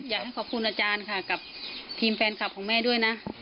อยากให้ขอบคุณอาจารย์ค่ะกับทีมแฟนคลับของแม่ด้วยนะ